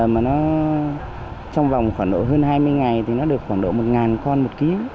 mà nó trong vòng khoảng độ hơn hai mươi ngày thì nó được khoảng độ một con một ký